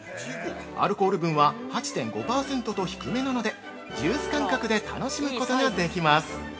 アルコール分は８．５％と低めなので、ジュース感覚で楽しむことができます。